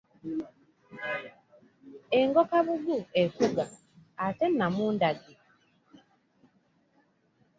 Engo kabugu ekuga, ate namundagi?